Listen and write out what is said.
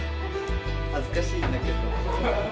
恥ずかしいんだけど。